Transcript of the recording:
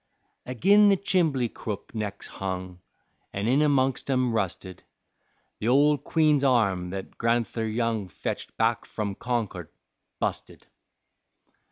Agin the chimbley crook necks hung, An' in amongst 'em rusted The ole queen's arm thet Gran'ther Young Fetched back from Concord busted.